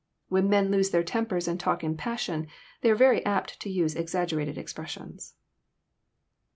When men lose their tempers, and talk in passion, they are very apt to use exaggerated expressions.